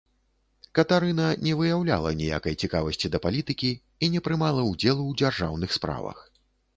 Катарына не выяўляла ніякай цікавасці да палітыкі і не прымала ўдзелу ў дзяржаўных справах.